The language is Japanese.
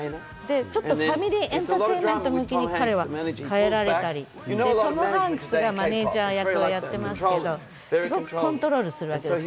ちょっとファミリーエンターテインメント向けに彼は変えられたり、トム・ハンクスがマネージャーをやってますけど、すごく彼をコントロールするわけです。